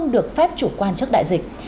được phép chủ quan chức đại dịch